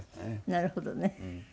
なるほどね。